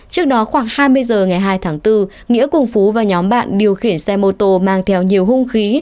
trước đó khoảng hai mươi giờ ngày hai tháng bốn nghĩa cùng phú và nhóm bạn điều khiển xe mô tô mang theo nhiều hung khí